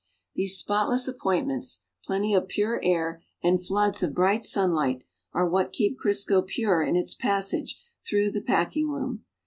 These spotless appointments — plenty of pure air and floods of l>right sunlight — arc what keep Crisco pure in its passage through the packing room.